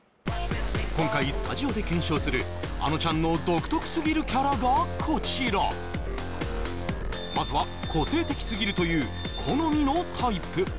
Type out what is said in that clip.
今回スタジオで検証するあのちゃんの独特すぎるキャラがこちらまずは個性的すぎるという好みのタイプ